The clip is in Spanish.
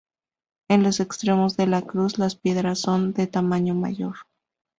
En los extremos de la cruz, las piedras son de tamaño mayor.